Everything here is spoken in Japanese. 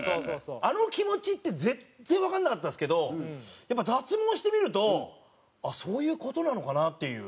あの気持ちって全然わかんなかったんですけどやっぱ脱毛してみるとあっそういう事なのかな？っていう。